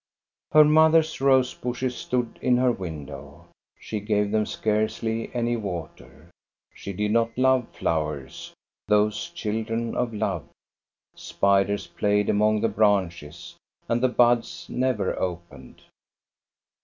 Her mother's rose bushes stood in her window. She gave them scarcely any water. She did not love flowers, those children of love. Spiders played among the branches, and the buds never opened.